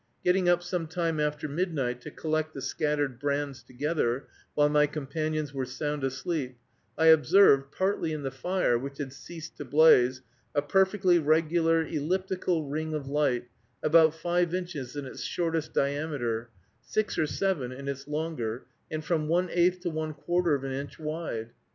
Getting up some time after midnight to collect the scattered brands together, while my companions were sound asleep, I observed, partly in the fire, which had ceased to blaze, a perfectly regular elliptical ring of light, about five inches in its shortest diameter, six or seven in its longer, and from one eighth to one quarter of an inch wide.